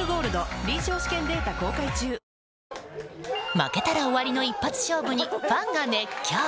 ⁉負けたら終わりの一発勝負にファンが熱狂。